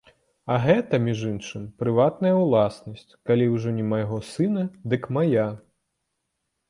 А гэта, між іншым, прыватная ўласнасць, калі ўжо не майго сына, дык мая!